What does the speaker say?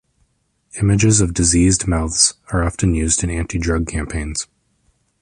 Images of diseased mouths are often used in anti-drug campaigns.